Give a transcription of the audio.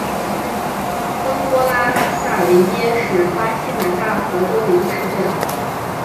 丰托拉沙维耶是巴西南大河州的一个市镇。